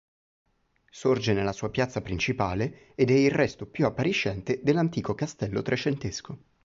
Sorge nella sua piazza principale ed è il resto più appariscente dell'antico castello trecentesco.